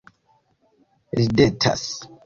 Ridetas